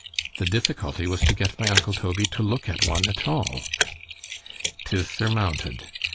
The difficulty was to get my uncle Toby, to look at one at all. 'Tis surmounted.